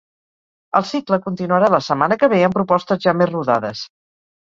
El cicle continuarà la setmana que ve amb propostes ja més rodades.